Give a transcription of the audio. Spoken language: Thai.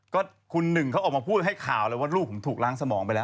ก็คุณหนึ่งเขาออกมาพูดให้ข่าวเลยว่าลูกผมถูกล้างสมองไปแล้ว